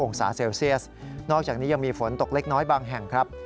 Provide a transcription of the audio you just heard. ก็มีฝนตกเล็กน้อยบางแห่งครับ